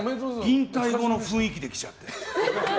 引退後の雰囲気で来ちゃったよ。